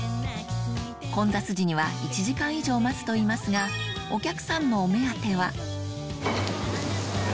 混雑時には１時間以上待つといいますがお客さんのお目当ては？